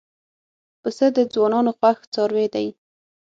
پسه د ځوانانو خوښ څاروی دی.